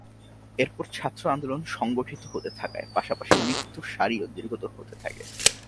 এরপর ছাত্র আন্দোলন সংগঠিত হতে থাকার পাশাপাশি মৃত্যুর সারিও দীর্ঘতর হতে থাকে।